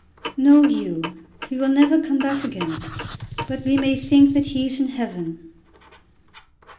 "No, Hugh; he will never come back again; but we may think that he's in Heaven."